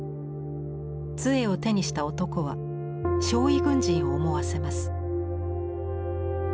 つえを手にした男は傷痍軍人を思わせます。